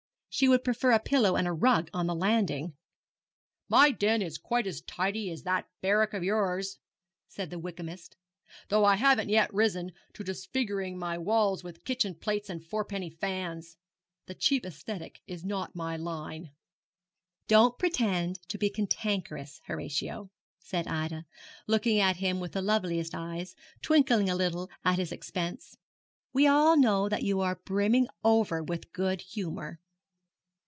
'She would prefer a pillow and a rug on the landing.' 'My den is quite as tidy as that barrack of yours,' said the Wykhamiste, 'though I haven't yet risen to disfiguring my walls with kitchen plates and fourpenny fans. The cheap aesthetic is not my line. 'Don't pretend to be cantankerous, Horatio,' said Ida, looking at him with the loveliest eyes, twinkling a little at his expense; 'we all know that you are brimming over with good humour.